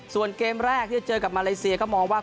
ส่วนเกมแรกที่จะเจอกับมาเลเซียก็มองว่า